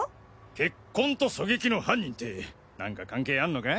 血痕と狙撃の犯人って何か関係あんのか？